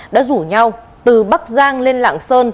đã rủ nhau từ bắc giang lên lạng sơn